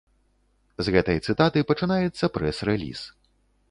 З гэтай цытаты пачынаецца прэс-рэліз.